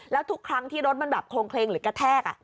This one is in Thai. แล้วทุกครั้งที่รถมันแบบโครงเคลงหรือกระแทก